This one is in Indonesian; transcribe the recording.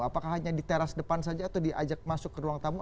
apakah hanya di teras depan saja atau diajak masuk ke ruang tamu